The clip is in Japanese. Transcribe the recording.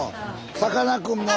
さかなクンもね。